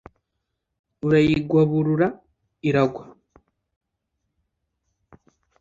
urayigwaburura iragwa.